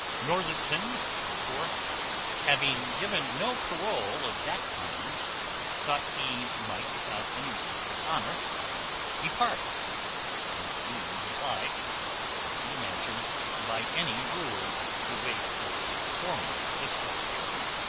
Northerton therefore having given no parole of that kind, thought he might without any breach of honour depart; not being obliged, as he imagined, by any rules, to wait for a formal discharge.